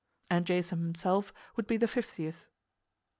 And Jason himself would be the fiftieth.